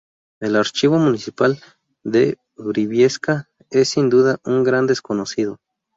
El Archivo Municipal de Briviesca es sin duda un gran desconocido.